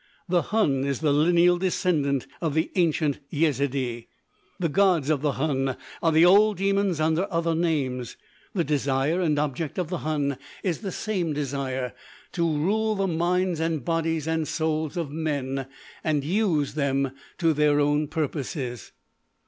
The hun is the lineal descendant of the ancient Yezidee; the gods of the hun are the old demons under other names; the desire and object of the hun is the same desire—to rule the minds and bodies and souls of men and use them to their own purposes!"